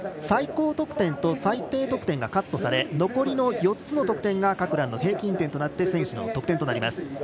最高得点と最低得点がカットされ残りの４つの得点が各ランの平均点となって選手の得点となります。